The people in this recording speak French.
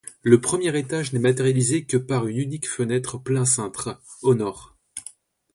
Le premier étage n'est matérialisé que par une unique fenêtre plein cintre, au nord.